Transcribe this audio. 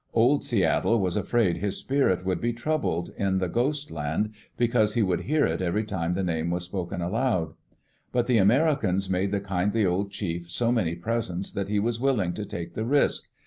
Old Seattle was afraid his spirit would be troubled in the Ghost Land, because he would hear it every time the name was spoken aloud. But the Americans made the kindly old chief so many presents that he was willing to take the risk.